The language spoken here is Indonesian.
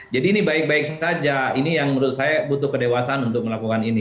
jadi ini baik baik saja ini yang menurut saya butuh kedewasan untuk melakukan ini